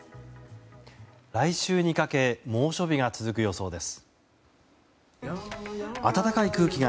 来週にかけ猛暑日が続く予想です。